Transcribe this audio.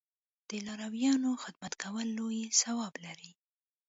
د لارویانو خدمت کول لوی ثواب لري.